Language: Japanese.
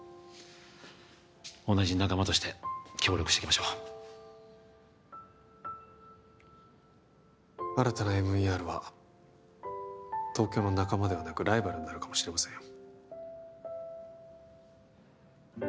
同じ仲間として協力していきましょう新たなＭＥＲは東京の仲間ではなくライバルになるかもしれませんよ